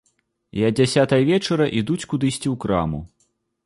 І а дзясятай вечара ідуць кудысьці ў краму.